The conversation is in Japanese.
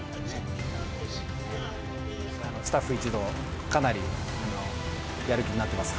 スタッフ一同、かなりやる気になってます。